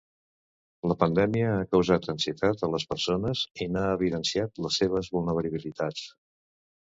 La pandèmia ha causat ansietat a les persones i n'ha evidenciat la seva vulnerabilitat.